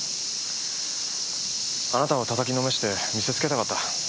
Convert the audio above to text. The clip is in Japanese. あなたを叩きのめして見せつけたかった。